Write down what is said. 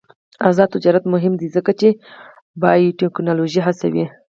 آزاد تجارت مهم دی ځکه چې بایوټیکنالوژي هڅوي.